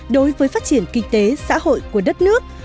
đối với phát triển kinh tế xã hội của đất nước